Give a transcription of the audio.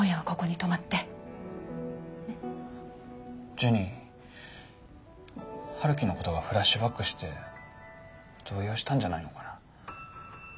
ジュニ陽樹のことがフラッシュバックして動揺したんじゃないのかな。